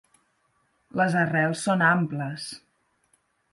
Les arrels són amples.